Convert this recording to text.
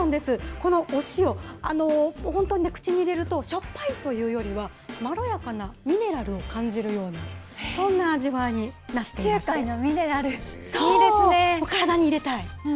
このお塩、本当に口に入れるとしょっぱいというよりは、まろやかなミネラルを感じるような、そん地中海のミネラル、いいです体に入れたい。